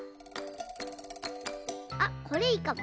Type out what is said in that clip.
あっこれいいかも。